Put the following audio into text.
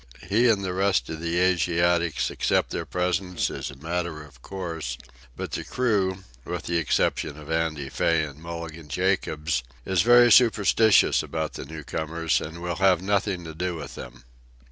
He and the rest of the Asiatics accept their presence as a matter of course; but the crew, with the exception of Andy Fay and Mulligan Jacobs, is very superstitious about the new comers, and will have nothing to do with them.